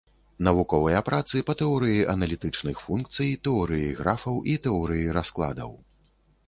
Навуковыя працы па тэорыі аналітычных функцый, тэорыі графаў і тэорыі раскладаў.